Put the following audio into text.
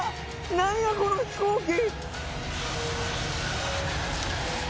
何やこの飛行機。